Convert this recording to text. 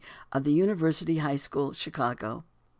OF THE UNIVERSITY HIGH SCHOOL, CHICAGO.